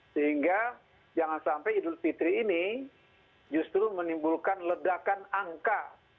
sehingga jangan sampai idul fitri ini justru menimbulkan ledakan angka